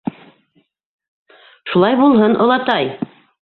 — Шулай булһын, олатай!